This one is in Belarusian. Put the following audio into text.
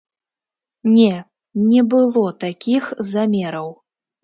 Не, не было такіх замераў!